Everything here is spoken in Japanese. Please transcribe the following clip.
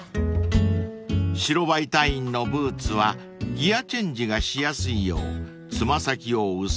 ［白バイ隊員のブーツはギアチェンジがしやすいよう爪先を薄めに］